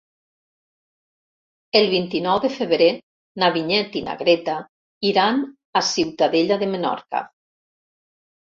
El vint-i-nou de febrer na Vinyet i na Greta iran a Ciutadella de Menorca.